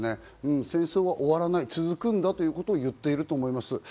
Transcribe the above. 戦争は終わらない、続くんだということを言ってると思います。